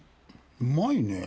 うまいねぇ。